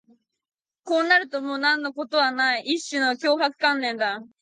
こうなるともう何のことはない、一種の脅迫観念だ